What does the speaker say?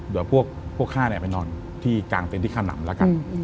เดี๋ยวพวกข้าเนี่ยไปนอนที่กลางเตียงที่ข้ามหนำแล้วกัน